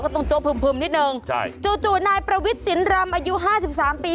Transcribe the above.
ก็ต้องโจ๊กพึ่มพึ่มนิดหนึ่งใช่จู่นายประวิติศิรรมอายุห้าสิบสามปี